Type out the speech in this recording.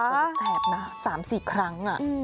แสบนะสามสี่ครั้ง